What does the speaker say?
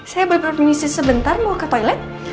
saya beli permisi sebentar mau ke toilet